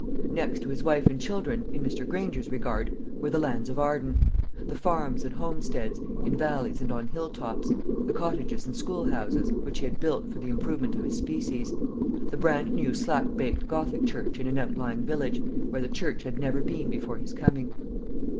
Next to his wife and children, in Mr. Granger's regard, were the lands of Arden: the farms and homesteads, in valleys and on hill tops; the cottages and school houses, which he had built for the improvement of his species; the bran new slack baked gothic church in an outlying village, where the church had never been before his coming.